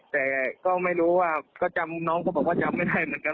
แต่ก็ไม่รู้ว่าก็จำน้องก็บอกว่าจำไม่ได้เหมือนกัน